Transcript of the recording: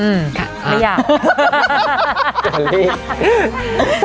ช่ะไม่อยาก